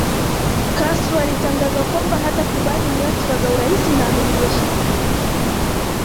Castro alitangaza kwamba hatakubali nyazfa za urais na amiri jeshi mkuu